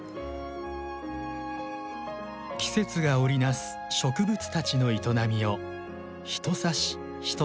季節が織り成す植物たちの営みをひと挿しひと